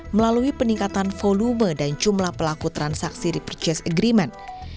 melalui peningkatan volume dan jumlah pelaku transaksi repurchase agreement